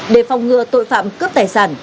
để phòng ngừa tội phạm cướp tài sản